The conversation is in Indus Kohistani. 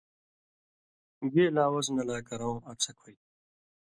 گیلاں وزنہ لا کرؤں اڅھک ہُوئ تھُو۔